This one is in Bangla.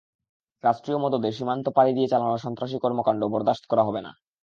রাষ্ট্রীয় মদদে সীমান্ত পাড়ি দিয়ে চালানো সন্ত্রাসী কর্মকাণ্ড বরদাশত করা হবে না।